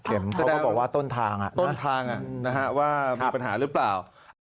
เข็มเขาก็บอกว่าต้นทางอ่ะต้นทางอ่ะนะฮะว่ามีปัญหาหรือเปล่า